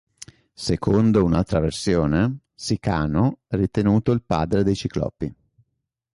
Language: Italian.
Secondo un'altra versione, Sicano è ritenuto il padre dei Ciclopi.